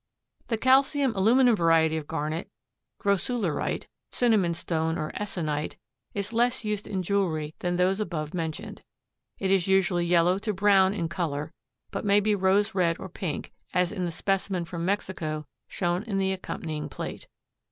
The calcium aluminum variety of garnet, grossularite, cinnamon stone or essonite, is less used in jewelry than those above mentioned. It is usually yellow to brown in color, but may be rose red or pink, as in the specimen from Mexico shown in the accompanying plate.